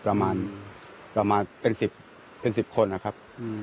ประมาณเป็น๑๐คนครับ